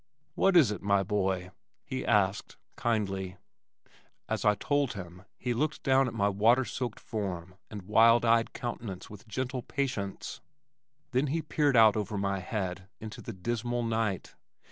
"What is it, my boy?" he asked kindly. As I told him he looked down at my water soaked form and wild eyed countenance with gentle patience. Then he peered out over my head into the dismal night.